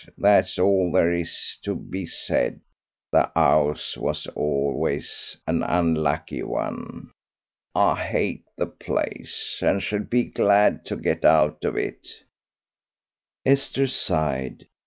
That's all there is to be said the 'ouse was always an unlucky one. I hate the place, and shall be glad to get out of it." Esther sighed.